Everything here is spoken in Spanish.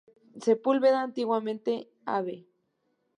Sepúlveda, antiguamente Av.